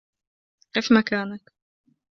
قف مكانك!